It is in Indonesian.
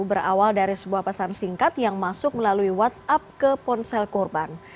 berawal dari sebuah pesan singkat yang masuk melalui whatsapp ke ponsel korban